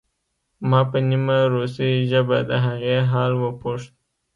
ما په نیمه روسۍ ژبه د هغې حال وپوښت